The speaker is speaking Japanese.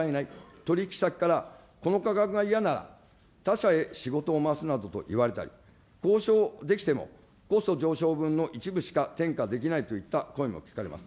取り引き先からこの価格が嫌なら、他社へ仕事を回すなどと言われたり、交渉できてもコスト上昇分の一部しか転嫁できないといった声も聞かれます。